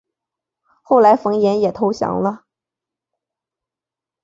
后来冯衍也投降了。